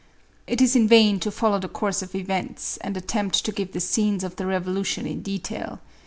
It is in vain to follow the course of events, and attempt to give the scenes of the revolution in detail.